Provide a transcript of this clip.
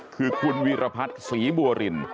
คือคุณวีรพัฒน์ศรีบัวริน